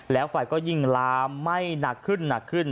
แล้วไฟก็ยิ่งลามไหม้หนักขึ้น